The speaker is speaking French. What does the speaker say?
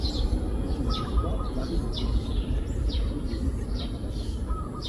Il fréquente Marie de Gournay et écrit des épigrammes en latin.